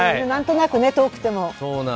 何となく遠くても。